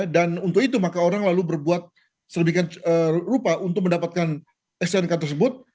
untuk itu maka orang lalu berbuat sedemikian rupa untuk mendapatkan snk tersebut